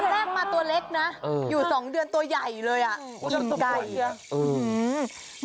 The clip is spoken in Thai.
แรกมาตัวเล็กนะอยู่สองเดือนตัวใหญ่เลยอ่ะอื้อหือ